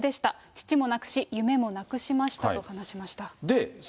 父も亡くし、夢もなくしましたと話しました。